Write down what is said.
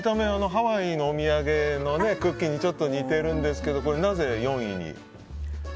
ハワイのお土産のクッキーに似ているんですけどなぜこれを４位に？